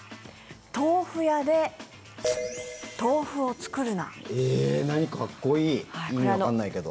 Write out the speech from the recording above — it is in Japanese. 豆腐屋で豆腐を作るな。